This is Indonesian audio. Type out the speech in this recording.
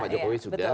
pak jokowi sudah